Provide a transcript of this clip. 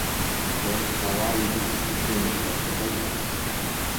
Ён схаваў ліст у кішэню і пайшоў дадому.